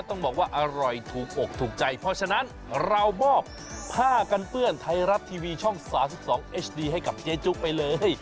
ต้องบอกว่าอร่อยถูกโปร่งถูกใจ